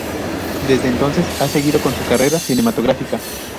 Desde entonces, ha seguido con su carrera cinematográfica.